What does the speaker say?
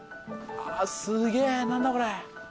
すげえ何だこれ。